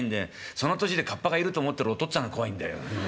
その年でカッパがいると思ってるお父っつぁんが怖いんだよ。